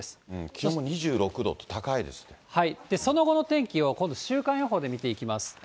気温も２６度、その後の天気を今度、週間予報で見ていきます。